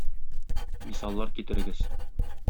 Мисаллар китерегез.